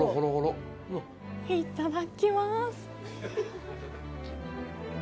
いただきます。